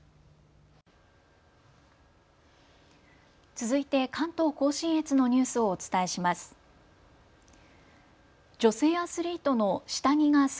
続いて関東甲信越のニュースをお伝えします。